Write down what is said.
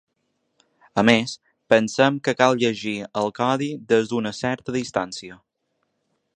A més, pensem que cal llegir el codi des d’una certa distància.